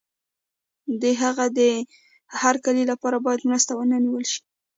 او د هغه د هرکلي لپاره باید مراسم ونه نیول شي.